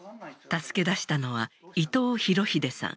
助け出したのは伊藤博秀さん。